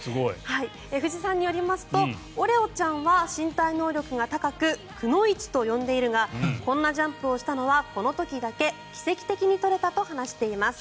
藤さんによりますとオレオちゃんは身体能力が高くくノ一と呼んでいるがこんなジャンプをしたのはこの時だけ奇跡的に撮れたと話しています。